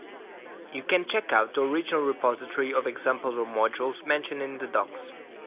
You can check out the original repository of examples or modules mentioned in the docs.